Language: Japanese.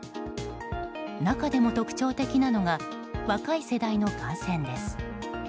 中でも特徴的なのが若い世代の感染です。